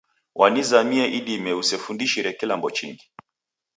Wanizamia idime usefundishire kilambo chingi